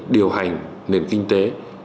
điều hành nền kinh tế